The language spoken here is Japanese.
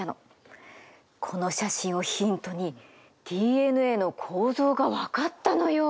この写真をヒントにＤＮＡの構造が分かったのよ。